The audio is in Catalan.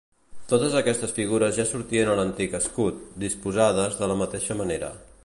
Totes aquestes figures ja sortien a l'antic escut, disposades de la mateixa manera.